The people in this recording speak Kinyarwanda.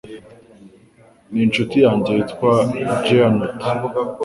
Ni inshuti yanjye yitwa Jeannot.